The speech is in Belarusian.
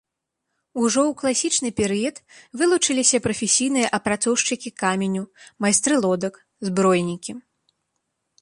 Ужо ў класічны перыяд вылучыліся прафесійныя апрацоўшчыкі каменю, майстры лодак, збройнікі.